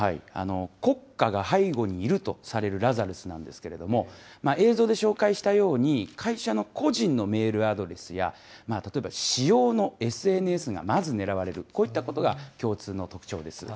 国家が背後にいるとされるラザルスなんですけれども、映像で紹介したように、会社の個人のメールアドレスや、例えば私用のＳＮＳがまず狙われる、こういったことが共通の特徴です。